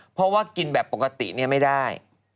เพราะว่ากินแบบปกติไม่ได้